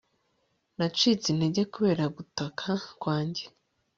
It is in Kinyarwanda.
nacitse intege kubera gutaka kwanjye